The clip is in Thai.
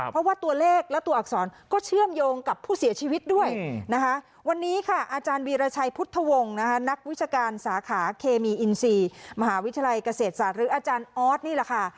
เพราะว่าตัวเลขและตัวอักษรก็เชื่อมโยงกับผู้เสียชีวิตด้วยนะคะวันนี้ค่ะอาจารย์วีรชัยพุทธวงศ์นะคะนักวิชาการสาขาเคมีอินซีมหาวิทยาลัยเกษตรศาสตร์หรืออาจารย์ออสนี่แหละค่ะ